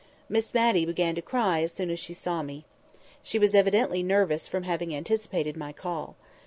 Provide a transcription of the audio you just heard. Miss Matty began to cry as soon as she saw me. She was evidently nervous from having anticipated my call.